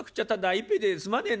一杯ですまねえな」。